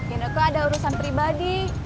indra kau ada urusan pribadi